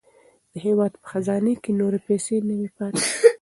د هېواد په خزانې کې نورې پیسې نه وې پاتې.